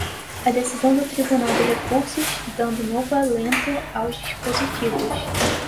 a decisão do Tribunal de Recursos dando novo alento aos dispositivos